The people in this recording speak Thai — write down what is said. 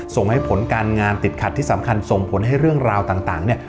ส่งให้ผลการงานติดขัดที่สำคัญส่งผลให้เรื่องราวต่างเนี่ย